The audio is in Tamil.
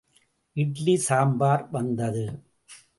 இட்லி, சாம்பார் வந்தது.